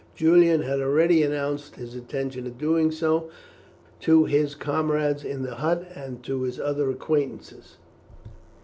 Julian had already announced his intention of doing so to his comrades in the hut, and to his other acquaintances.